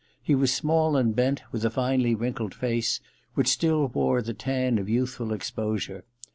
He was small and bent, with a finely wrinkled face which still wore the tan of youthful exposure.